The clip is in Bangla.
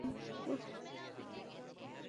সমস্ত ভক্তদের শুভেচ্ছা!